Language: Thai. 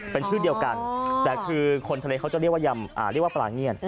เป็นชื่อเดียวกันแต่คือคนทะเลเขาจะเรียกว่าเรียกว่าปลาเงี่ยน